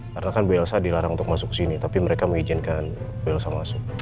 karena kan bu elsa dilarang untuk masuk kesini tapi mereka mengizinkan bu elsa masuk